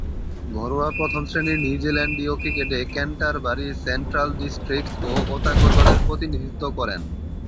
ঘরোয়া প্রথম-শ্রেণীর নিউজিল্যান্ডীয় ক্রিকেটে ক্যান্টারবারি, সেন্ট্রাল ডিস্ট্রিক্টস ও ওতাগো দলের প্রতিনিধিত্ব করেন।